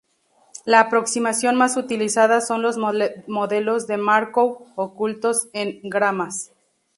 La aproximación más utilizada son los Modelos de Markov Ocultos o n-gramas.